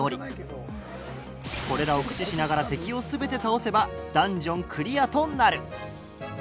これらを駆使しながら敵を全て倒せばダンジョンクリアとなる。